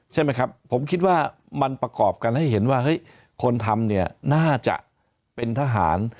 ใช่ไหมครับผมคิดว่ามันประกอบกันให้เห็นว่าเฮ้ยคนทำเนี่ยน่าจะเป็นทหาร